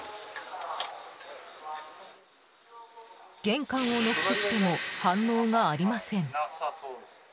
玄関をノックしても反応がありません。